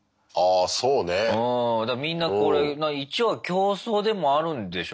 みんなこれ一応は競争でもあるんでしょ？